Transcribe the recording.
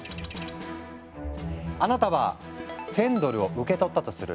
あなたは１，０００ドルを受け取ったとする。